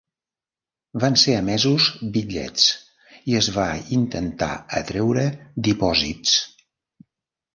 Van ser emesos bitllets i es va intentar atreure dipòsits.